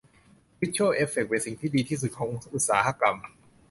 วิชวล เอฟเฟคเป็นสิ่งที่ดีที่สุดของอุตสาหกรรม